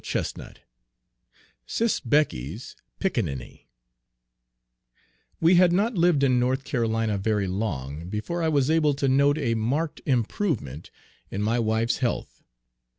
Page 132 SIS' BECKY'S PICKANINNY WE had not lived in North Carolina very long before I was able to note a marked improvement in my wife's health.